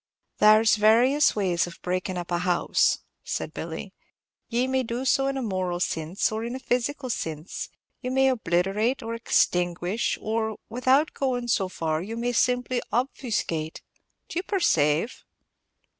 "There 's various ways of breakin' up a house," said Billy. "Ye may do so in a moral sinse, or in a physical sinse; you may obliterate, or extinguish, or, without going so far, you may simply obfuscate, do you perceave?"